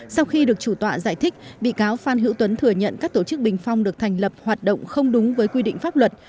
sau khi được chủ tọa giải thích bị cáo phan hữu tuấn thừa nhận các tổ chức bình phong được thành lập hoạt động không đúng với quy định pháp luật